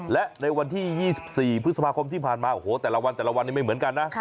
และในวันที่๒๔พฤษภาคมที่ผ่านมาโอ้โหแต่ละวันแต่ละวันนี้ไม่เหมือนกันนะ